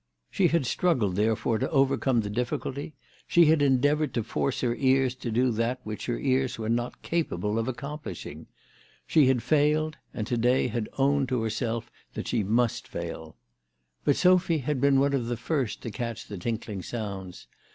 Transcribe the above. She had struggled therefore to overcome the difficulty. She had endeavoured to force her ears to do that which her ears were not capable of accomplishing. She had failed, and to day had owned to herself that she must fail. But Sophy THE TELEGRAPH GIRL. 285 had been one of the first to catch the tinkling sounds.